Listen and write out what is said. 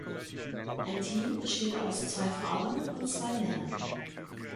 Ein Team besteht aus zwei Frauen und zwei Männern.